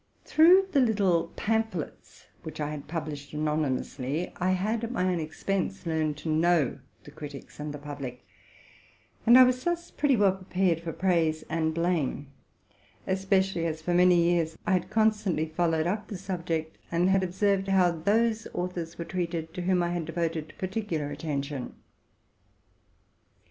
Through the little pamphlets which I had published anony mously, I had, at my own expense, become acquainted with the critics and the public; and I was thus pretty well pre pared for praise and blame, especially as for many years I had constantly followed up the subject, and had observed how those authors were treated to whom I had devoted par ticular attention.